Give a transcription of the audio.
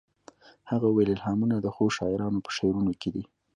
هغه وویل الهامونه د ښو شاعرانو په شعرونو کې دي